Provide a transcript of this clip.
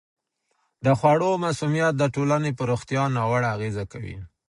د خوړو مسمومیت د ټولنې په روغتیا ناوړه اغېزه کوي.